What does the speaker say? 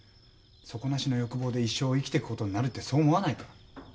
底なしの欲望で一生を生きてくことになるってそう思わないか？